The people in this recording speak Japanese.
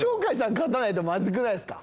勝たないとまずくないですか？